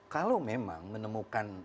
kalau memang menemukan